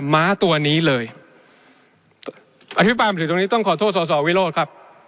ม้าตัวนี้เลยอภิปรายมาถึงตรงนี้ต้องขอโทษสอสอวิโรธครับ